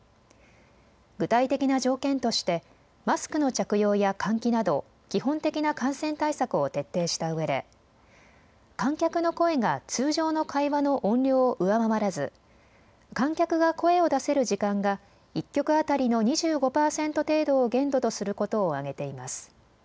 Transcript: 具体的な条件としてマスクの着用や換気など基本的な感染対策を徹底したうえで観客の声が通常の会話の音量を上回らず観客が声を出せる時間が１曲当たりの２５％程度を限度とすることを挙げています。